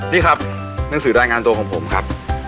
นี่ครับหนังสือรายงานตัวของผมครับ